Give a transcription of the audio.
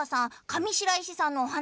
上白石さんのお話